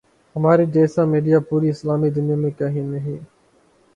ہمارے جیسا میڈیا پوری اسلامی دنیا میں کہیں نہیں۔